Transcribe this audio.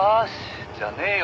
じゃねえよ！